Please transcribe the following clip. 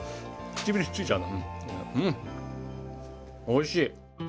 おいしい！